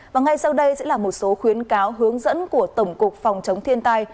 và ngay sau đây sẽ là một số khuyến cáo hướng dẫn của tổng cục phòng chống thiên tai